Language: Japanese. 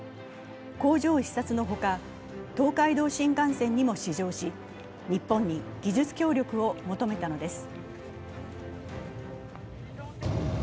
工場視察のほか、東海道新幹線にも試乗し、日本に技術協力を求めたのです。